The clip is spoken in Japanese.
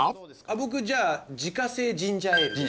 僕じゃあ自家製ジンジャーエール。